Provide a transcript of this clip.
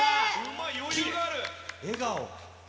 笑顔。